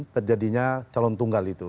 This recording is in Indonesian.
terjadinya calon tunggal itu